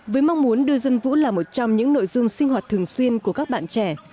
với mong muốn đưa dân vũ là một trong những nội dung sinh hoạt thường xuyên của các bạn trẻ